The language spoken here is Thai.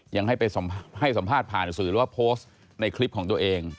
ยังให้ไปให้สัมภาษณ์ผ่านสื่อหรือว่าโพสต์ในคลิปของตัวเอง